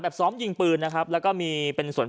ซ้อมยิงปืนนะครับแล้วก็มีเป็นส่วน